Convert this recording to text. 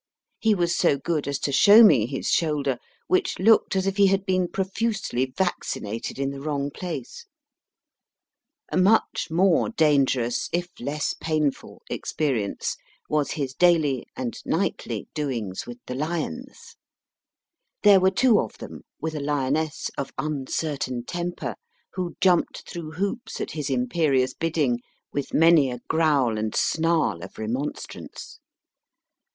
He was so good as to show me his shoulder, which looked as if he had been profusely vaccinated A much more dangerous, if less painful, experience was his daily (and nightly) doings with the lions. There were two of them, with a lioness of an uncertain temper, who jumped through hoops at his imperious bidding with many a growl and snarl of remonstrance.